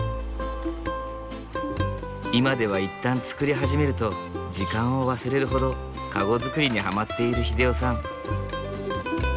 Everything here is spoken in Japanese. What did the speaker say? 今では一旦作り始めると時間を忘れるほど籠作りにハマっている秀夫さん。